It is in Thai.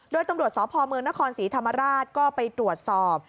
โดยตรวจสอบพเนฆศรีธรรมราชก็ไปตรวจสอบ